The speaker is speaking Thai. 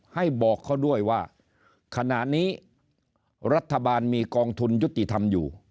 ให้บอกเขาด้วยว่าขณะนี้รัฐบาลมีกองทุนยุติธรรมอยู่